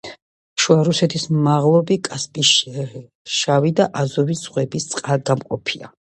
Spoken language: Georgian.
შუა რუსეთის მაღლობი კასპიის, შავი და აზოვის ზღვების წყალგამყოფია.